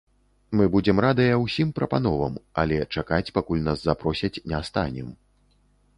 Мы будзем радыя ўсім прапановам, але чакаць пакуль нас запросяць не станем.